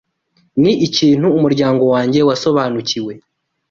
Ni ikintu umuryango wanjye wasobanukiwe